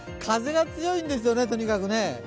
風が強いんですよね、とにかく。